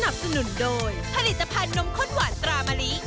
สนุนโดยผลิตภัณฑ์นมข้นหวานตรามะลิ